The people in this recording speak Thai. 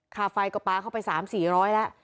คาไฟกับป๊าเข้าไป๓๔๐๐บาทแล้ว